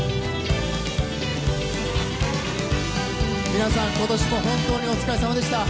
皆さん、今年も本当にお疲れ様でした。